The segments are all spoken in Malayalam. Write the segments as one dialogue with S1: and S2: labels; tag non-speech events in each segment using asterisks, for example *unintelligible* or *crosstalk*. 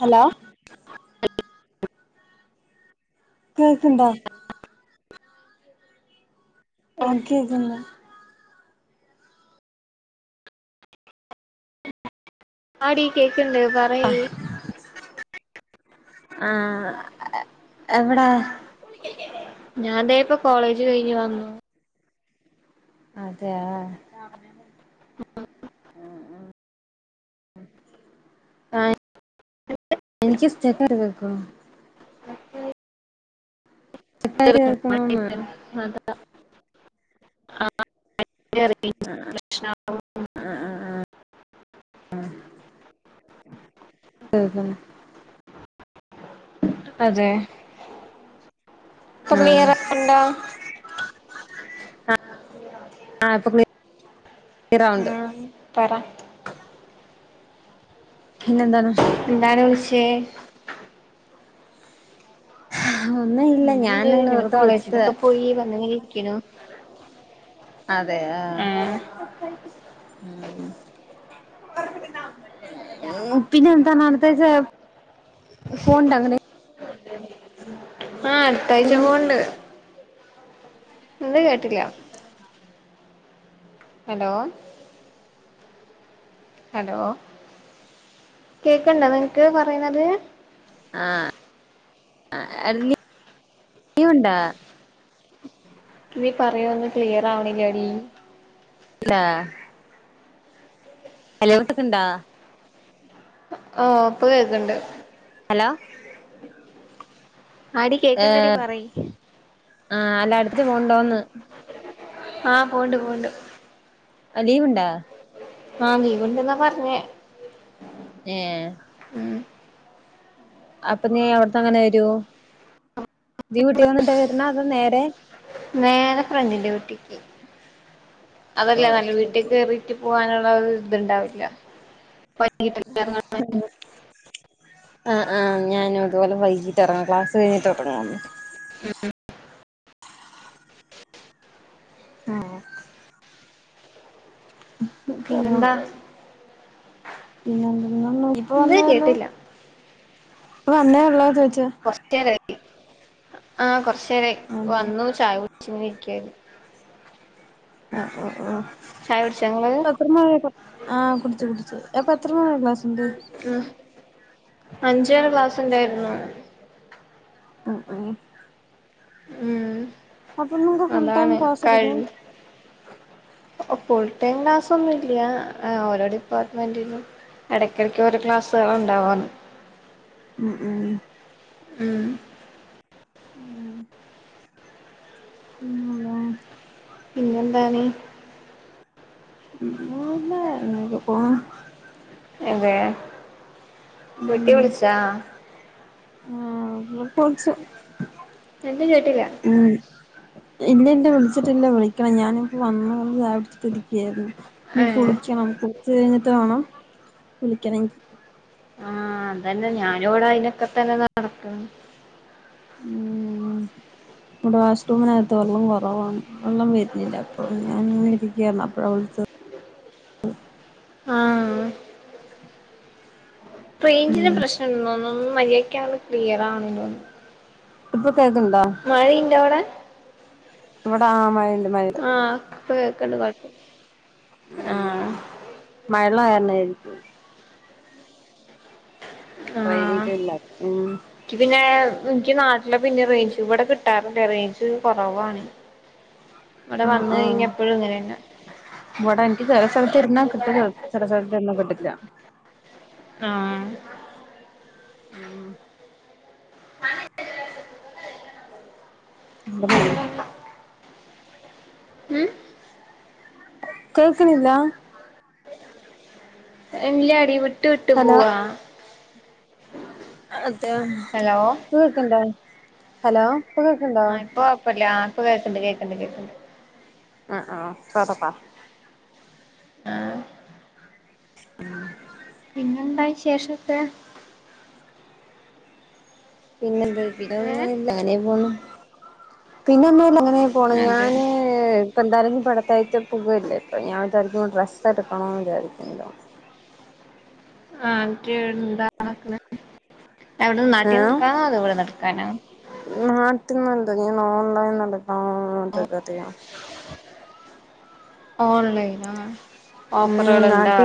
S1: ഹലോ കേക്ക്ണ്ടോ? എനിക്ക് കേൾക്കണില്ല
S2: ആടീ കേൾക്ക്ണ്ട് പറയ്
S1: ആഹ് എവിടാ
S2: ഞാൻ തേ ഇപ്പൊ കോളേജ് കഴിഞ്ഞ് വന്നു
S1: അതെയോ
S2: *inaudible*
S1: ആഹ് ആഹ് ഇക്ക് ഇഷ്ടാ അഹ് കറി വെക്കോ
S2: *unintelligible*
S1: സ്റ്റെക്കായിട്ട് കേൾക്കണോന്ന്
S2: *unintelligible* അതാ *unintelligible*
S1: ആഹ് ആഹ് ആഹ് ആഹ് ഓഹോ
S2: അതേയ്
S1: ആഹ് *unintelligible* ഈ റൗണ്ട്
S2: പറ
S1: പിന്നെന്താണ്
S2: എന്താണ് വിളിച്ചെ
S1: ഒന്നും ഇല്ല
S2: ഇന്നെന്ത്
S1: ഞാനങ്ങനെ
S2: ഇങ്ങനെ
S1: വെറുതെ വിളിച്ചതാ
S2: കോളേജിലൊക്കെ പോയി വന്നിങ്ങനെ ഇരിക്ക്ണു
S1: *unintelligible* അതെ ആഹ് പിന്നെ എന്താ അട്ത്താഴ്ച്ച ഫോണ്ടങ്ങന
S2: ആഹ് അടുത്താഴ്ച പോവ്ണ്ട് എന്ത് കേട്ടില്ല ഹലോ ഹലോ കേക്ക്ണ്ടോ നിനക്ക് പറയുന്നത്
S1: ആഹ് *unintelligible* ഉണ്ടാ
S2: നീ പറയ്ണൊന്നും ക്ലിയർ ആവണില്ലെടി
S1: ലാ ഹലോ കേക്ക്ണ്ടാ
S2: ആഹ് ഇപ്പ കേക്ക്ണ്ട്
S1: ഹലോ
S2: ആടി കേക്ക്ണ്ടെടി
S1: ഏഹ്
S2: പറയി
S1: ആഹ് അല്ല അടുത്താഴ്ച പോവ്ണ്ടോന്ന്
S2: ആഹ് പോണ്ട് പോണ്ട്
S1: ആഹ് ലീവ്ണ്ടാ
S2: ആഹ് ലീവ് ഇണ്ട്ന്നാ പറഞ്ഞേ
S1: ഏഹ്
S2: ഉം
S1: അപ്പൊ നീ അവിട്ന്ന് അങ്ങനെ വരും നീ വീട്ടി വന്നിട്ടാ വരുന്നെ അതോ നേരെ
S2: നേരെ ഫ്രണ്ട്ന്റെ വീട്ടിൽക്ക് അതല്ലെ നല്ല
S1: ഓക്കെ
S2: വീട്ട്
S1: ഓക്കെ
S2: കേറി ട്ടി പോവാനുള്ള ഒരു ഇതുണ്ടാവില്ല *unintelligible*
S1: ആഹ് ആഹ് ഞാനും ഇതുപോലെ വൈകീട്ട് ഇറങ്ങും ക്ലാസ്സ് കഴിഞ്ഞിട്ട് ഇറങ്ങും
S2: ഉം
S1: ആഹ്
S2: പിന്നെന്താ
S1: *unintelligible* പിന്നെ *unintelligible* ഇപ്പൊ
S2: ഇത്
S1: വന്നേ ഒള്ളൂ
S2: കേട്ടില്ല
S1: ഇപ്പ വന്നേ ഉള്ളോ ചോയിച്ച
S2: കുറച്ചേരായി ആഹ് കൊറച്ച് നേരായി
S1: അതെ
S2: വന്നു ചായ കുടിച്ച് ഇങ്ങനെ ഇരിക്കായിരുന്നു
S1: ആഹ് ആഹ് ആഹ്
S2: ചായ കുടിച്ച ഇങ്ങള്
S1: ഇപ്പൊ എത്ര നാൾ ആഹ് കുടിച്ചു കുടിച്ചു അപ്പൊ എത്രവരെ ക്ലാസ്ണ്ട്
S2: ആഹ് അഞ്ചവരെ ക്ലാസ് ഉണ്ടായിരുന്നു
S1: ഉം ഉം
S2: ഉം
S1: അപ്പൊ നിങ്ങക്ക് ഫുൾ ടൈം
S2: അതാണ്
S1: ക്ലാസ് എടുക്കും
S2: കഴും ഫുൾ ടൈം ക്ലാസ് ഒന്നും ഇല്ല്യ ഓരോ ഡിപ്പാർട്ട്മെന്റിലും ഇടയ്ക്കിടയ്ക്ക് ഓരോ ക്ലാസാള ഉണ്ടാവാന്ന്
S1: ഉം ഉം
S2: ഉം
S1: ഉം പിന്നെന്താ
S2: പിന്നെ എന്താണ്
S1: പിന്നെ എന്താ ഇങ്ങനെ ഒക്കെ പോണ്
S2: അതെ വീട്ടി വിളിച്ചാ
S1: ആ ഉമ്മക്ക് വിളിച്ചു
S2: എന്ത് കേട്ടില്ല
S1: ഉം ഇല്ലില്ല വിളിച്ചിട്ടില്ല വിളിക്കണം ഞാനിപ്പോ വന്ന് കൊണ്ട് ചായകുടിച്ചിട്ടിരിക്കയായിരുന്നു ഇനി
S2: ഏ
S1: കുളിക്കണം കുളിച്ച കഴിഞ്ഞിട്ട് വേണം വിളിക്കണെങ്കിൽ-
S2: ആഹ് അതന്നെ ഞാനും ഇവിട അയിനൊക്കെ തന്നെ നടക്കണെ
S1: ഉം നമ്മുടെ വാഷ്റൂമിനകത്ത് വെള്ളം കുറവാണ് വെള്ളം വരുന്നില്ല അപ്പോൾ ഞാനിങ്ങനെരിക്ക അപ്പോഴാണ് വിളിച്ചത്
S2: ആഹ് റേഞ്ചിന്റെ പ്രശ്നൊണ്ടെന്ന് തോന്ന്ന്നു ഒന്നും മര്യാദക്കങ്ങ്ട് ക്ലിയറാകുന്നില്ല
S1: ഇപ്പൊ കേൾക്കണണ്ടോ?
S2: മഴ ഇന്റൊ അവിടെ
S1: ഇവിടെ ആഹ് മഴയ്ണ്ട്
S2: ആഹ് ഇപ്പ കേക്കണ്ട് കുഴപ്പമൊന്നുമില്ല ആഹ്
S1: മഴയുള്ള കാരണമായിരിക്കും
S2: ആഹ്
S1: റേഞ്ച് ഇല്ലാത്തെ ഉം
S2: എനിക്ക് പിന്നെ എനിക്ക് നാട്ടിലെ പിന്നെ റേഞ്ച് ഇവിടെ കിട്ടാറില്ലേ റേഞ്ച് കുറവാണ്
S1: *inaudible*
S2: ഇവിടെ
S1: ആഹ്
S2: വന്ന്
S1: ആഹ്
S2: കഴിഞ്ഞാ എപ്പോഴും ഇങ്ങനെന്നെ
S1: ഇവിടെ എനിക്ക് ചെലസ്ഥലത്തിരുന്നാ കിട്ടും ചെലസ്ഥലത്തിരുന്നാ കിട്ടില്ല
S2: ആഹ്
S1: ഉം
S2: *unintelligible*
S1: *unintelligible*
S2: ഉം
S1: കേൾക്കണില്ല
S2: ഇല്ലാടി വിട്ട് വിട്ട്
S1: ഹലോ
S2: പോവ്വാ
S1: *unintelligible* നീ കേൾക്ക്ണ്ടോ ഹലോ ഇപ്പ കേക്ക്ണ്ടോ
S2: ആഹ് ഇപ്പൊ കുഴപ്പമില്ല ആ ഇപ്പൊ കേൾക്കണ്ട് കേൾക്കണ്ട് കേൾക്കണ്ട്
S1: ആഹ് ആഹ് *unintelligible*
S2: ആഹ്
S1: *unintelligible*
S2: പിന്നെന്താ വിശേഷൊക്കെ
S1: പിന്നെ എന്ത് പിന്നെ
S2: ഏഹ്
S1: ഒന്നൂല്ല അങ്ങനെ പോണു പിന്നൊന്നൂല്ല അങ്ങനെ പോണ്
S2: അതെ
S1: ഞാന് ഇപ്പെന്തായാലും അടുത്താഴ്ച പോവുല്ലേ അപ്പോൾ ഞാൻ കരുതിയൊരു ഡ്രസ്സ്- എടുക്കണമെന്ന് വിചാരിക്കുന്നു
S2: *unintelligible* അത് നാട്ടിന്ന് എടുക്കാനോ അതോ ഇവിടുന്ന് എടുക്കാനോ
S1: നാട്ടിനെടുക്കാനല്ല ഓൺലൈനിൽ നിന്ന് എടുക്കാന്ന് കരുതിയ
S2: ഓൺലൈനോ ഓഫറുകൾ ഉണ്ടോ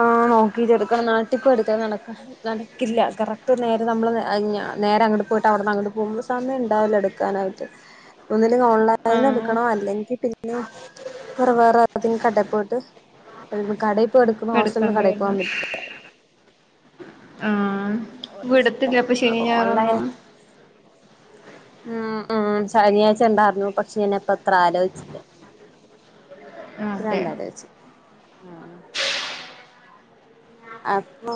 S1: ആഹ നോക്കിട്ട് എടുക്കണം നാട്ടിപ്പോയ് എടുക്കാൻ നടക്ക നടക്കില്ല കറക്റ്റ് നേരെ നമ്മള് നേരെ അങ്ങോട്ട് പോയിട്ട് അവിടുന്ന് അങ്ങോട്ട് പോകുമ്പോൾ സമയമുണ്ടാവില്ല എടുക്കാനായിട്ട് ഒന്നുമില്ലെങ്കിൽ ഓൺലൈനായി-
S2: ആഹ്
S1: എടുക്കണോ അല്ലെങ്കിൽ പിന്നെ ഇവിടെ വേറെ- ഏതേലും കടയി പോയിട്ട് കടയി പോയ് എടുക്കണം ഹോസ്റ്റലിൽ നിന്ന് കടയി പോകൻ
S2: എടുക്കണ്ടായിരുന്നു
S1: പറ്റില്ല
S2: ആഹ്
S1: റിസ്കാ
S2: വിടുത്തില്ലെ അപ്പൊ ശനീം
S1: ഓൺലൈൻ
S2: ഞായറൊന്നും
S1: ഉം ഉം ശനിയാഴ്ച ഇണ്ടാരുന്നു പക്ഷെ ഞൻപ്പ അത്ര ആലോച്ചില്ലേ പിന്നെ
S2: അതെ
S1: എന്താടി വെച്ച് അപ്പൊ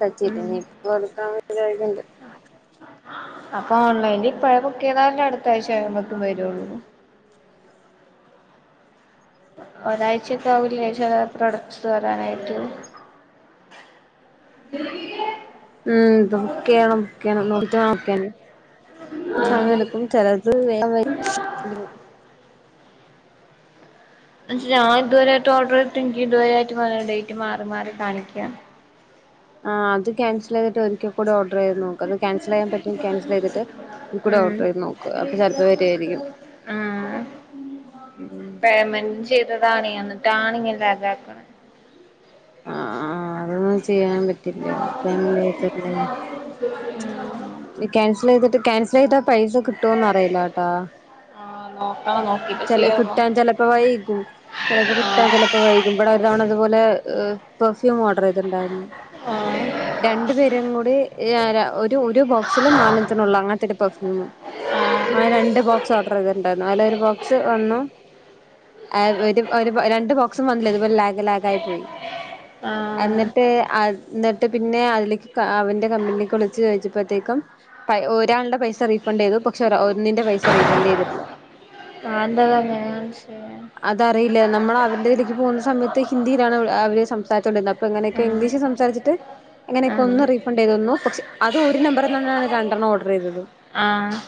S1: പറ്റില്ല
S2: ഉം
S1: ഇനീപ്പ എടുക്കാൻ വേണ്ടി കഴണ്ട്
S2: അപ്പൊ ഓൺലൈനിൽ ഇപ്പഴ ബുക്ക് ചെയ്താലേ അടുത്ത ആഴ്ച ആമ്പോക്കും വരു ഉള്ളു ഒരാഴ്ചക്കെ ആവില്ലേ ച പ്രൊഡക്ട്സ് വരാനായിട്ടു
S1: ഉം ഇത് ബുക്ക്യ്യണം ബുക്ക്യ്യണം നോക്കിട്ട് ബുക്കിയല്ലെ സമയടുക്കും ചെലത് വേഗം വരും *unintelligible*
S2: ഞൻ ഇതുവരെയായിട്ട് ഓർഡർ ചെയ്ത്ട്ട് എനിക്ക് ഇതുവരെയായിട്ട് വരാ ഡേറ്റ് മാറി മാറി കാണിക്ക്യ
S1: ആഹ് അത് ക്യാസൽ ചെയ്തിട്ട് ഒരിക്കൽ കൂടി ഓഡർ ചെയ്ത് നോക്ക അത് ക്യാൻസൽ ചെയ്യൻ പറ്റു ക്യാസൽ ചെയ്തിട്ട് കൂടെ
S2: ഉം
S1: ഓർഡർ ചെയ്ത് നോക്ക അപ്പൊ ചിലപ്പോ വരു അരിക്കും ഉം
S2: പേമെന്റ് ചെയ്തതാണെ അന്നിട്ടാണ് ഇങ്ങനെ ലാകാക്കണെ
S1: ആഹ് ആഹ് അതൊന്നും ചെയ്യാൻ പറ്റില്ല പേമെന്റ് ചെയിത പിന്നെ ഉം ക്യാസൽ ചെയ്തിട്ട് ക്യാൻസൽ ചെയ്ത പൈസ കിട്ടുവോന്ന് അറിയില്ലാട്ടാ
S2: ആഹ് നോക്കണം നോക്കിട്ട്
S1: ചില
S2: ചെയ്യാവോ
S1: കിട്ടാൻ ചില ഇപ്പ വൈക്കും ചിലപ്പോ കിട്ടാ
S2: ആഹ്
S1: ചിലപ്പോ വൈകും ഇവിടെ ഒരു തവണ ഇതുപൊലെ പെർഫ്യൂ ഓഡർ ചെയ്തിണ്ടരുന്നു
S2: ആഹ്
S1: രണ്ടു പേരും കൂടി ഇ അര ഒരു ഒരു ബോക്സില് നാലഞ്ചണ ഉള്ളൂ അങ്ങനത്തെ ഒരു പെർഫ്യൂമും ആ രണ്ട് ബോക്സ് ഓർഡർ ചെയ്തിട്ടുണ്ടാരുന്നു അല്ല ഒരു ബോക്സ് വന്നു ആ ഒരു ഒരു രണ്ട് ബോക്സും വന്നില്ലേ ഇതുപോലെ ലാഗ് ലാഗ ആയി പോയി
S2: ആഹ്
S1: എന്നിട്ട് അ എന്നിട്ട് പിന്നെ അതിലേക്ക് അവന്റെ കമ്പിലേക്ക് വിളിച്ചു ചോദിച്ചപ്പോത്തേക്കും പ ഒരാളുടെ പൈസ റീഫണ്ട് ചെയ്തു പക്ഷെ ഒര ഒന്നിന്റെ പൈസ റീഫണ്ട് ചെയ്തിട്ടില്ല
S2: *unintelligible*
S1: അതറിയില്ല നമ്മൾ അവരുടെതിലേക്ക് പോകുന്ന സമയത്ത് ഹിന്ദിയിലാണ് അവ അവര് സംസാച്ചുകോണ്ടിന്നെ അപ്പ ഇങ്ങനെക്കെ
S2: ആഹ്
S1: ഇംഗ്ലീഷ് സംസരിച്ചട്ട് അങ്ങനെക്കെ
S2: ആഹ്
S1: ഒന്ന് റീഫണ്ട് ചെയ്ത് തന്നു പക്ഷെ അത് ഒരു നമ്പറിൽ നിന്നാണ് രണ്ടെണ്ണം ഓർഡർ ചെയ്തതും
S2: ആഹ്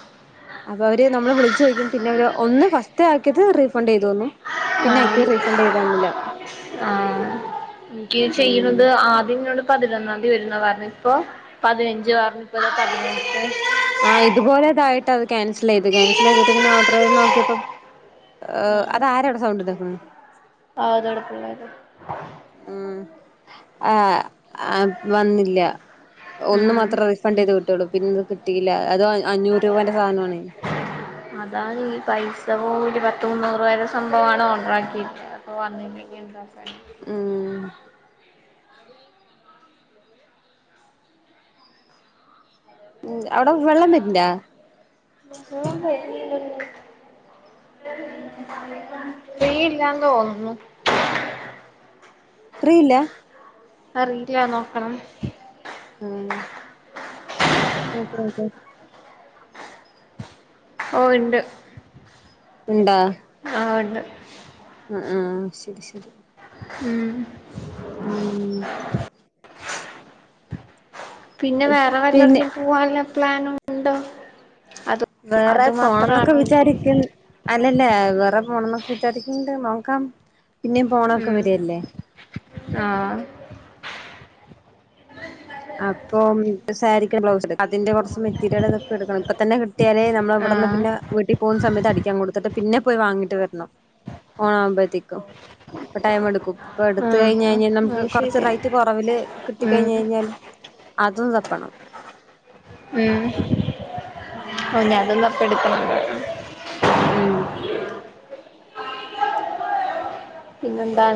S1: അപ്പൊ അവര് നമ്മള് വിളിച്ചുയ്ക്കും പിന്നെ അവര് ഒന്ന് ഫസ്റ്റ് ആക്കിട്ട് റീഫണ്ട് ചെയ്തു തന്നു പിന്നെ
S2: ആഹ്
S1: ആക്കിയത് റീഫണ്ട് ചെയ്ത് തന്നില്ല
S2: ആഹ് എനിക്ക്
S1: ഉം
S2: ചെയ്യുന്നത് ആദ്യം എനോണ്ട് പതിനൊന്നാംതി വരുന്ന പറഞ്ഞ ഇപ്പോ പതിനഞ്ച് പറഞ്ഞ ഇപ്പ ദേ പതിനഞ്ച്
S1: ആ ഇതുപോലെതായിട്ട അത് ക്യാൻസൽ ചെയ്ത് ക്യാൻസൽ ചെയ്തിട്ട് പിന്നെ ഓർഡർത് നോക്കിയപ്പ ഏഹ് അത് ആരവിടെ സൗണ്ട് ഇതാക്കണെ
S2: ആഹ് അത് ആടുകളെലാണു
S1: ഉം ആഹ് ആം വന്നില്ല ഒന്ന്
S2: ഉം
S1: മാത്രം ഫണ്ട് ചെയ് കിട്ടി ഉള്ളൂ പിന്നെത് കിട്ടില്ല അത് അഞ്ഞൂ രൂപന്റെ സാനം ആണേ
S2: അതാ ഈ പൈസ പോ ഒരു പത്ത് മുന്നൂറ് രൂപേടെ സംഭവണ് ഓർഡറാക്കിട്ട് അപ്പ വന്നിലെങ്കിൽ എന്താ
S1: ഉം ഉം അവിടെ വെള്ളം വരിണ്ടാ
S2: *unintelligible* വരിനിടല്ലോ ഇവിടെ ഇല്ലന്ന് തോന്നുന്നു
S1: ഫ്രീ ഇല്ല
S2: അറില്ല നോക്കണം
S1: ആഹ് ഓക്കെ ഒക്കെ
S2: ഓഹ് ഇണ്ട്
S1: ഇണ്ടാ
S2: ആഹ് ഉണ്ട്
S1: ആഹ് ആഹ് ശരി ശരി
S2: ഉം
S1: ഉം
S2: പിന്നെ വേറെ
S1: പിന്നെ
S2: വല്ലടത്തും പോവാനുള്ള പ്ലാനും ഉണ്ടോ അ
S1: വേറെ പോണംന്നൊക്കെ വിചാരിക്കും അല്ലല്ലേ വേറെ പോണംന്നൊക്കെ വിചാരിക്ക്ണ്ട് നോക്കാം പിന്നേം പോണൊക്കെ
S2: ഉം
S1: വരില്ലേ
S2: ആഹ്
S1: അപ്പൊ സാരിക്ക് ഒരു ബ്ലൗസ് എടുക്കണം അതിന്റെ കുറച്ച് മെറ്റീരിയൽ ഇതൊക്കെ എടുക്കണം ഇപ്പൊ തന്നെ ട്ടിയാലേ നമ്മള
S2: ആ
S1: ഇവിടുന്ന് പിന്ന വീട്ടി പോകുന്ന സമയത്ത് അടിക്കാൻ കൊടുത്തിട്ട് പിന്നെ പോയി വാങ്ങിട്ട് വരണം ഓണാകുമ്പത്തേക്കും ഇപ്പൊ ടൈം എടുക്കും ഇപ്പൊ
S2: ആ
S1: എടുത്ത് കഴിഞ്ഞ് കഴിഞ്ഞാൽ
S2: അത്
S1: നമുക്ക് കുറച്ച്
S2: ശരിയാ
S1: റേറ്റ് കുറവില്
S2: ഉം
S1: കിട്ടിക്കഴിഞ്ഞ് കഴിഞ്ഞാല് അതും തപ്പണം
S2: ഉം
S1: ഉം
S2: ഓഹ് ഞാനൊന്നും അപ്പ എടുക്കണില്ല
S1: ഉം ഉം
S2: പിന്നെന്താ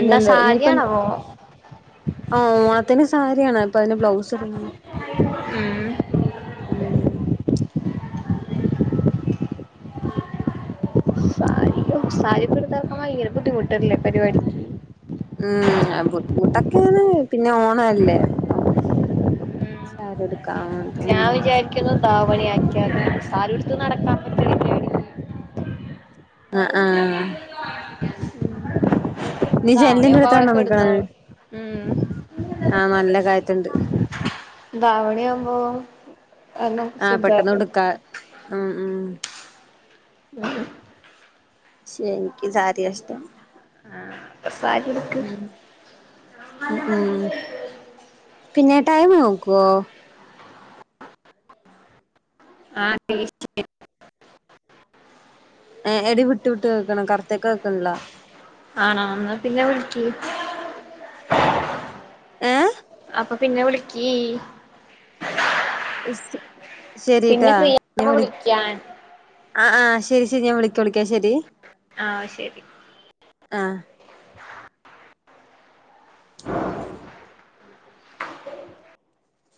S2: എന്താ സാരിയാണോ
S1: ഓഹ് ഓണത്തിന് സാരിയാണ് അപ്പൊ അതിന് ബ്ലൗസ് എടു
S2: ഉം
S1: ഉം
S2: സാരിയോ സാരിക്കെ ഉടുത്ത് നടക്കാൻ ഭയങ്കര ബുദ്ധിമുട്ടല്ലേ പരിപാടി
S1: ഉം ബുദ്ധിമുട്ടൊക്കെയാണ് പിന്നെ ഓണല്ലേ അപ്പം സാരി ഉടുക്കാം
S2: ഞാൻ വിചാരിക്കുന്ന് ധാവണി ആക്കിയാലോ സാരി ഉടുത്ത് നടക്കാൻ പറ്റില്ല പരിപാടിക്ക്
S1: ആഹ് ആഹ് നീ ചെല്ലിന്റെ
S2: ധാവണിയാവുമ്പോ അവിടെ
S1: അടുത്താണ നിക്കണ
S2: കെടന്നോളും ഉം
S1: ആഹ് നല്ല കാറ്റ്ണ്ട്
S2: ധാവണി ആവുമ്പോ
S1: ആഹ് പെട്ടെന്ന് ഉടുക്കാ ഉം ഉം
S2: *unintelligible*
S1: പക്ഷേ എനിക്ക് സാരിയാ ഇഷ്ടം
S2: *unintelligible*
S1: ഉഅ ഉം പിന്നെ ടൈം നോക്കുവോ
S2: ആഹ് *unintelligible*
S1: എടി വിട്ടു വിട്ട് കേക്കണ് കറക്ട് കേക്കണില്ല
S2: ആണോ എന്നാ പിന്നെ വിളിക്ക
S1: ഏഹ്
S2: അപ്പൊ പിന്നെ വിളിക്കി പിന്നെ
S1: ശെരിട്ടാ
S2: ഫ്രീ
S1: ഞാൻ
S2: ആവുമ്പോ
S1: വിള
S2: വിളിക്ക് ഞാൻ
S1: ആഹ് ആഹ് ശരി ശരി ഞാൻ വിളിക്ക വിളിക്കാം ശരി
S2: ആഹ് ശരി
S1: ആഹ്
S2: *inaudible* ആ